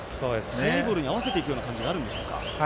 速いボールに合わせていく感じがあるんでしょうか。